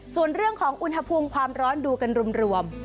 ส่วนเรื่องของอุณหภูมิความร้อนดูกันรวม